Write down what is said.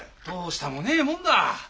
どうしたもねえもんだ。